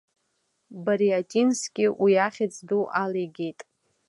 Бариатински уи ахьӡ ду алигеит.